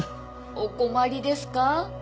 お困りですか？